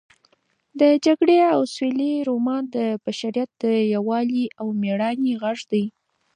د جګړې او سولې رومان د بشریت د یووالي او مېړانې غږ دی.